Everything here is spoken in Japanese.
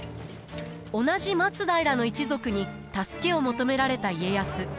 同じ松平の一族に助けを求められた家康。